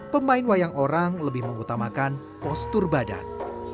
pemain wayang orang lebih mengutamakan postur badan